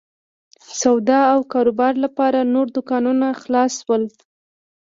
د سودا او کاروبار لپاره نور دوکانونه خلاص شول.